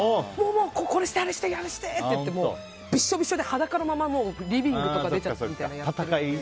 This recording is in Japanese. これしてあれして！って言ってびしょびしょで、裸のままリビングとか出ちゃってみたいな。